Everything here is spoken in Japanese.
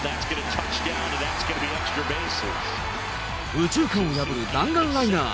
右中間を破る弾丸ライナー。